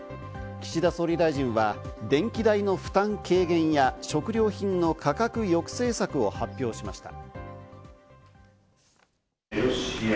岸田総理大臣は電気代の負担軽減や食料品の価格抑制策を発表しました。